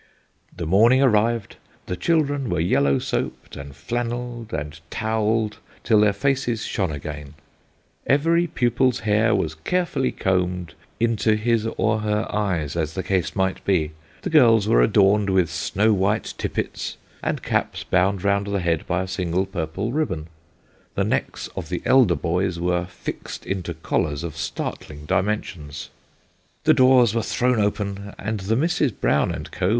The morning arrived : the children were yellow soaped and flannelled, and towelled, till their faces shone again ; every pupil's hair was carefully combed into his or her eyes, as the case might be ; the girls were adorned with snow white tippets, and caps bound round the head by a single purple ribbon : the necks of the elder boys were fixed into collars of startling dimensions. The doors were thown open, and the Misses Brown and Co.